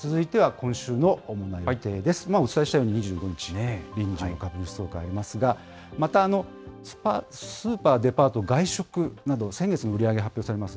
今お伝えしたように２５日、臨時の株主総会ありますが、また、スーパー、デパート、外食など、先月の売り上げ発表されます。